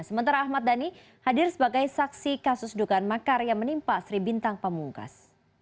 sementara ahmad dhani hadir sebagai saksi kasus dugaan makar yang menimpa sri bintang pamungkas